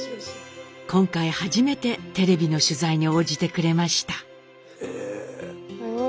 今回初めてテレビの取材に応じてくれました。